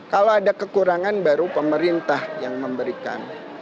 kalau ada kekurangan baru pemerintah yang memberikan